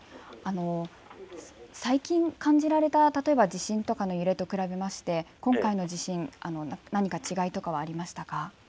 最近感じられた、例えば地震の揺れと比べると今回の地震、何か違いとかはありましたか。